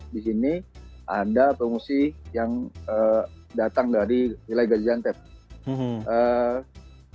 disini ada pengungsi yang datang dari wilayah gajang tepurki